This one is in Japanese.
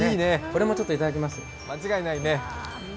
これもいただきます。